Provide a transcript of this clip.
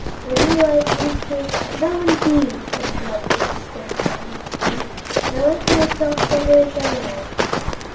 Would you like me to " "No, indeed!" interrupted the Scarecrow hastily; "I like myself better as I am."